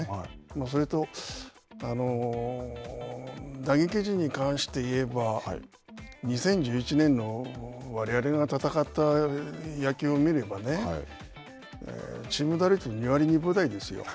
それと打撃陣に関して言えば２０１１年のわれわれが戦った野球を見ればね、チーム打率２割２分台ですよ。